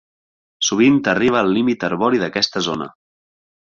Sovint arriba al límit arbori d'aquesta zona.